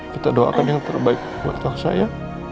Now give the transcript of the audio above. kita doakan yang terbaik buat tahu saya